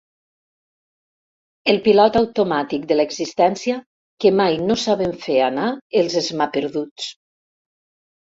El pilot automàtic de l'existència que mai no saben fer anar els esmaperduts.